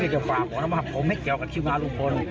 เพราะว่าผมไม่เกี่ยวกับคิวงานลุงพล